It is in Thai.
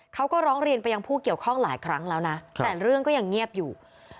เขาก็ร้องเรียนไปยังผู้เกี่ยวข้องหลายครั้งแล้วนะแต่เรื่องก็ยังเงียบอยู่